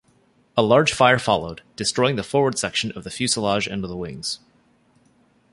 A large fire followed, destroying the forward section of the fuselage and the wings.